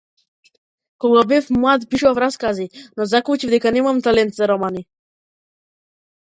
Кога бев млад пишував раскази, но заклучив дека немам талент за романи.